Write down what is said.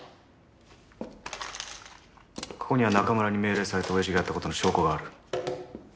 ここには仲村に命令されて親父がやった事の証拠がある。